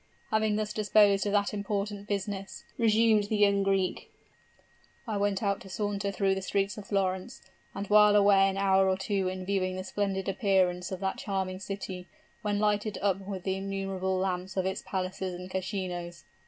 "Having thus disposed of that important business," resumed the young Greek, "I went out to saunter through the streets of Florence, and while away an hour or two in viewing the splendid appearance of that charming city, when lighted up with the innumerable lamps of its palaces and casinos.